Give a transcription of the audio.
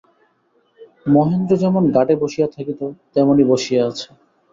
মহেন্দ্র যেমন ঘাটে বসিয়া থাকিত, তেমনি বসিয়া আছে।